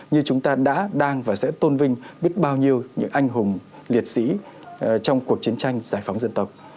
như chúng ta đã đang và sẽ tôn vinh biết bao nhiêu những anh hùng liệt sĩ trong cuộc chiến tranh giải phóng dân tộc